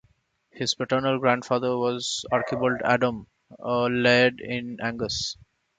His paternal grandfather was Archibald Adam, a laird in Angus.